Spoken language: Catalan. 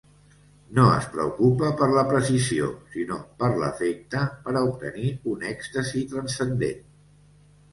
No es preocupa per la precisió, sinó per l'efecte, per a obtenir un èxtasi transcendent.